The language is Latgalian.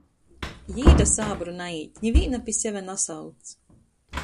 Jī da sābru naīt, nivīna pi seve nasauc...